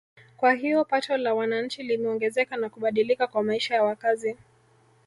Kwa hiyo pato la wananchi limeongezeka na kubadilika kwa maisha ya wakazi